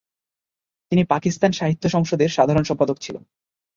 তিনি পাকিস্তান সাহিত্য সংসদের সাধারণ সম্পাদক ছিলেন।